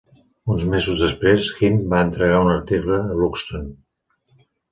Uns mesos després, Hind va entregar un article a Luxton.